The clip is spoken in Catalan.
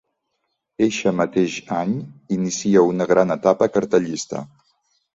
Eixe mateix any inicia una gran etapa cartellista.